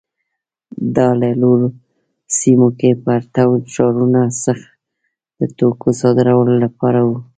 دا له لوړو سیمو کې پرتو ښارونو څخه د توکو صادرولو لپاره وه.